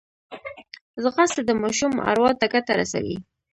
ځغاسته د ماشوم اروا ته ګټه رسوي